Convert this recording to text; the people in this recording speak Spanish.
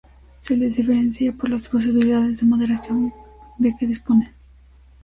Se les diferencia por las posibilidades de moderación de que disponen.